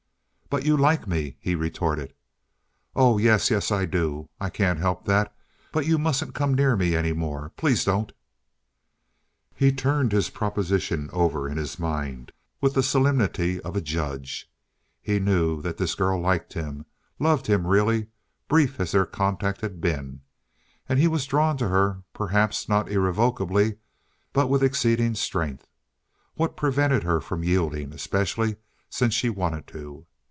"But you like me," he retorted. "Oh yes, yes, I do. I can't help that. But you mustn't come near me any more. Please don't." He turned his proposition over in his mind with the solemnity of a judge. He knew that this girl liked him—loved him really, brief as their contact had been. And he was drawn to her, perhaps not irrevocably, but with exceeding strength. What prevented her from yielding, especially since she wanted to?